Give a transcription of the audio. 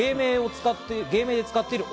芸名で使っている「夫」。